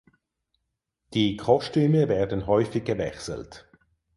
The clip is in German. Die Kostüme werden häufig gewechselt.